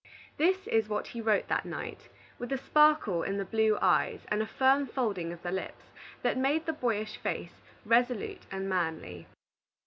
This is what he wrote that night, with a sparkle in the blue eyes and a firm folding of the lips that made the boyish face resolute and manly.